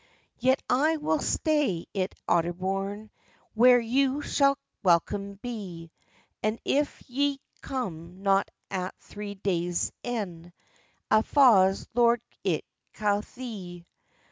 "Yet I will stay it Otterbourne, Where you shall welcome be; And, if ye come not at three dayis end, A fause lord I'll ca' thee."